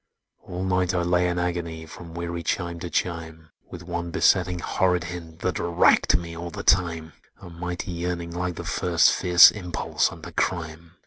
"All night I lay in agony, From weary chime to chime, With one besetting horrid hint, That racked me all the time; A mighty yearning, like the first Fierce impulse unto crime!